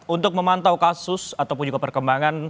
untuk memantau kasus ataupun juga perkembangan